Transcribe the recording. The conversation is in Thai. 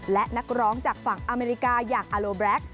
และนักร้องจากฝั่งอเมริกาอย่างอาโลแบล็ค